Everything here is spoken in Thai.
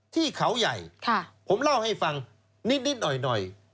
ที่เขาใหญ่ผมเล่าให้ฟังนิดหน่อย